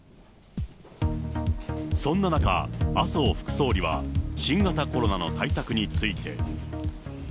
そんな中、麻生副総理は新型コロナの対策について。